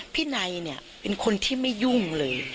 พี่ไนเป็นคนที่ไม่ยุ่งเลย